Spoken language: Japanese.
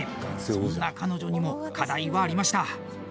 そんな彼女にも課題はありました。